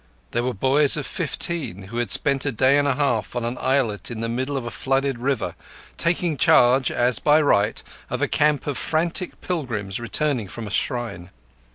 There were boys of fifteen who had spent a day and a half on an islet in the middle of a flooded river, taking charge, as by right, of a camp of frantic pilgrims returning from a shrine.